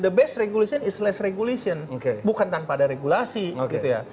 the best regulation is less regulation bukan tanpa ada regulasi gitu ya